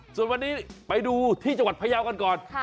ส่วนวันนี้ไปดูที่จังหวัดพยาวกันก่อน